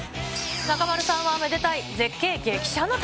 中丸さんはめでたい絶景激写の旅。